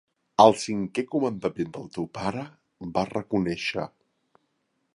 "El cinquè comandament del teu pare", va reconèixer.